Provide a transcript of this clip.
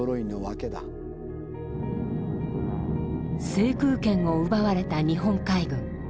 制空権を奪われた日本海軍。